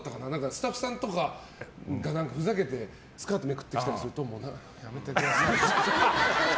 スタッフさんとかが、ふざけてスカートめくってきたりするとやめてって。